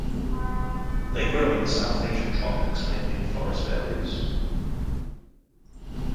They grow in the South Asian tropics mainly in forest areas.